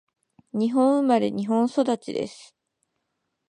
私は日本生まれ、日本育ちです。